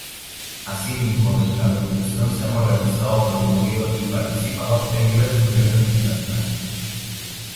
Asimismo, desde la organización se han organizado, promovido y participado en diversos eventos internacionales.